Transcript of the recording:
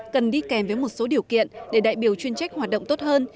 cần đi kèm với một số điều kiện để đại biểu chuyên trách hoạt động tốt hơn